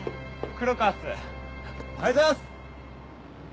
黒川っすおはようございます！